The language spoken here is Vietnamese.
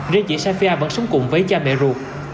riêng chị sanfa vẫn sống cùng với cha mẹ ruột